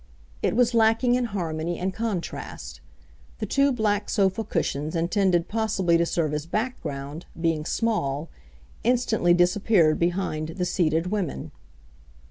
It was lacking in harmony and contrast. The two black sofa cushions intended possibly to serve as background, being small, instantly disappeared behind the seated women.